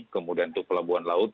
kemudian itu pelabuhan laut